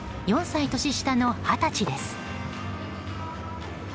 ４歳年下の二十歳です。